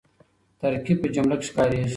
ترکیب په جمله کښي کاریږي.